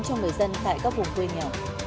cho người dân tại các vùng quê nhỏ